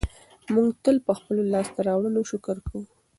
موږ تل په خپلو لاسته راوړنو شکر کوو.